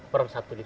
per satu belas